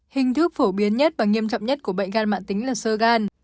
hình thức phổ biến nhất và nghiêm trọng nhất của bệnh gan mạng tính là sơ gan